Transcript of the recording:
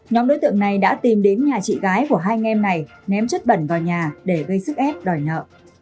nhóm đối tượng này đã tìm đến nhà chị gái của hai anh em này ném chất bẩn vào nhà để gây sức ép đòi nợ